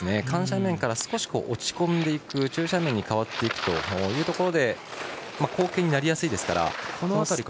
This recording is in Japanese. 緩斜面から少し落ち込んでいく中斜面に変わっていくところで後傾になりやすいですから。